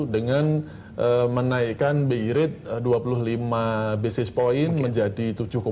dengan menaikkan bi rate dua puluh lima basis point menjadi tujuh satu